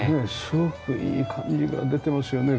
すごくいい感じが出てますよね。